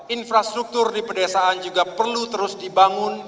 infrastruktur di pedesaan juga perlu terus dibangun